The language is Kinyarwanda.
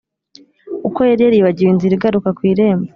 kuko yari yibagiwe inzira igaruka ku irembo.